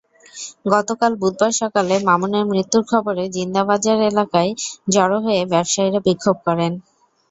গতকাল বুধবার সকালে মামুনের মৃত্যুর খবরে জিন্দাবাজার এলাকায় জড়ো হয়ে ব্যবসায়ীরা বিক্ষোভ করেন।